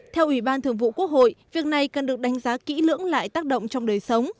theo ủy ban thường vụ quốc hội việc này cần được đánh giá kỹ lưỡng lại tác động trong đời sống